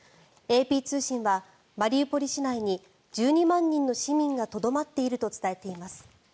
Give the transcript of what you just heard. ＡＰ通信はマリウポリ市内に１２万人の市民がとどまっていると伝えています。